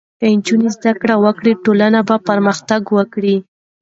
که نجونې زدهکړه وکړي، ټولنه به پرمختګ وکړي.